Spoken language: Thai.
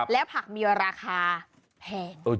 แล้วผักมีราคาแพง